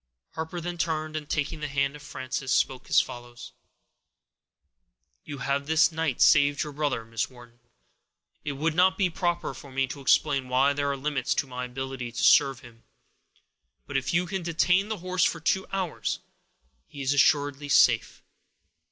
Harper then turned, and, taking the hand of Frances, spoke as follows:— "You have this night saved your brother, Miss Wharton. It would not be proper for me to explain why there are limits to my ability to serve him; but if you can detain the horse for two hours, he is assuredly safe.